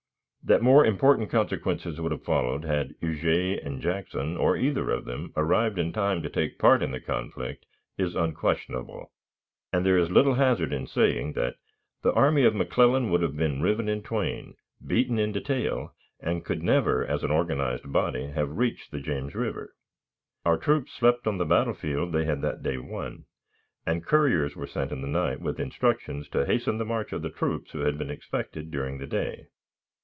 That more important consequences would have followed had Huger and Jackson, or either of them, arrived in time to take part in the conflict, is unquestionable; and there is little hazard in saying that the army of McClellan would have been riven in twain, beaten in detail, and could never, as an organized body, have reached the James River. Our troops slept on the battle field they had that day won, and couriers were sent in the night with instructions to hasten the march of the troops who had been expected during the day.